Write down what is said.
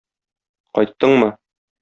Кайттыңмы?